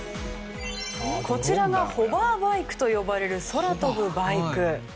こちらがホバーバイクと呼ばれる空飛ぶバイク。